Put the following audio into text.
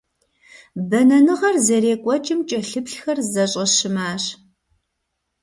Бэнэныгъэр зэрекӀуэкӀым кӀэлъыплъхэр зэщӀэщымащ.